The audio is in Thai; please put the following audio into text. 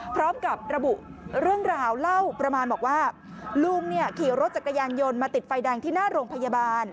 พร้อมกับระบุเรื่องราวว่าลุงขี่รถจักรยานยนต์มาติดไฟแดงที่หน้าโรงพยาบาล